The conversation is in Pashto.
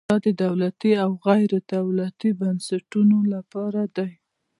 دا د دولتي او غیر دولتي بنسټونو لپاره دی.